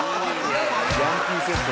ヤンキーセットだ。